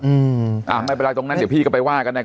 อืมอ่าไม่เป็นไรตรงนั้นเดี๋ยวพี่ก็ไปว่ากันนะครับ